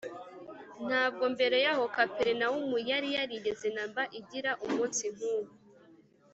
ntabwo mbere yaho kaperinawumu yari yarigeze na mba igira umunsi nk’uwo